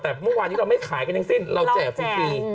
แต่เมื่อวานนี้เราไม่ขายกันทั้งสิ้นเราแจกฟรี